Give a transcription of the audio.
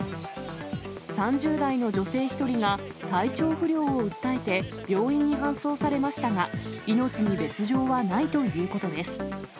３０代の女性１人が体調不良を訴えて病院に搬送されましたが、命に別状はないということです。